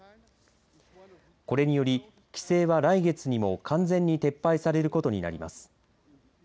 これにより、規制は来月にも完全に撤廃されることになります。